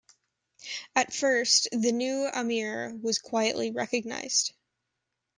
At first, the new Amir was quietly recognized.